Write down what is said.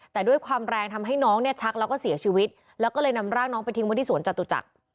แต่ด้วยความแรงทำให้น้องเนี่ยชักแล้วก็เสียชีวิตแล้วก็เลยนำร่างน้องไปทิ้งไว้ที่สวนจตุจักร